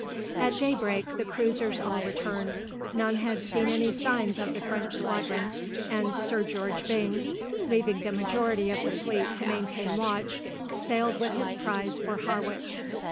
At daybreak, the cruisers all returned. None had seen any signs of the French squadron, and Sir George Byng, leaving the majority of the fleet to maintain watch, sailed with his prize for Harwich.